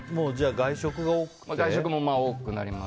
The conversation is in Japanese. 外食も多くなります。